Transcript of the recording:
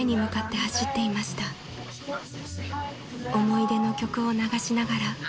［思い出の曲を流しながら］